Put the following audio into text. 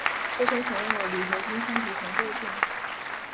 车身采用了铝合金双皮层构造。